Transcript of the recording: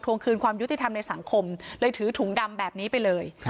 คืนความยุติธรรมในสังคมเลยถือถุงดำแบบนี้ไปเลย